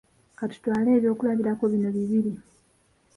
Ka tutwale eby'okulabirako bino bibiri.